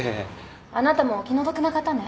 あなたもお気の毒な方ね。